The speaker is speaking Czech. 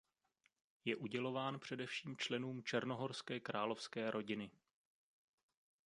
Je udělován především členům černohorské královské rodiny.